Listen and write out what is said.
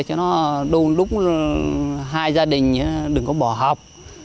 cho nó đôn lúc hai gia đình đừng có bỏ học